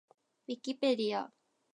ウィキペディア